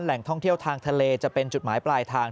แหล่งท่องเที่ยวทางทะเลจะเป็นจุดหมายปลายทาง